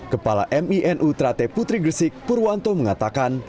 kepala minu trate putri gresik purwanto mengatakan